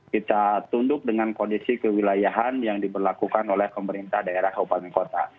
kita tunduk dengan kondisi kewilayahan yang diberlakukan oleh pemerintah daerah kabupaten kota